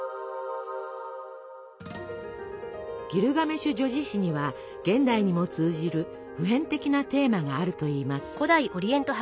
ギルガメシュ叙事詩には現代にも通じる普遍的なテーマがあるといいます。